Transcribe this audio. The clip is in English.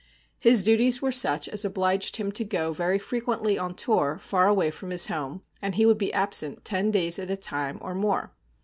His duties were such as obliged him to go very frequently on tour far away from his home, and he would be absent ten days at a time or more.